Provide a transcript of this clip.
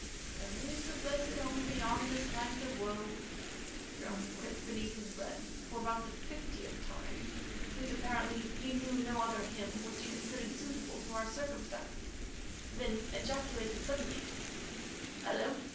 "There is a blessed home beyond this land of woe" droned Quick beneath his breath for about the fiftieth time, since, apparently, he knew no other hymn which he considered suitable to our circumstances, then ejaculated suddenly: "Hullo!